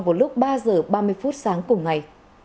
vào lúc ba h ba mươi phút sáng cùng ngày